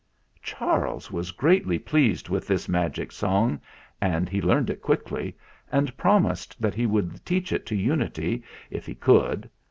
Charles was greatly pleased with this magic song, and he learned it quickly, and promised that he would teach it to Unity if he could.